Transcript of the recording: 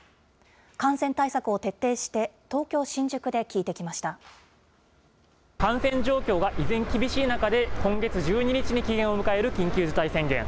感染対策を徹底して、感染状況が依然厳しい中で、今月１２日に期限を迎える緊急事態宣言。